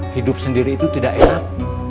hidup sendiri itu tidak enak